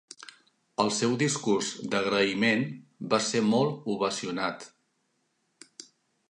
El seu discurs d'agraïment va ser molt ovacionat.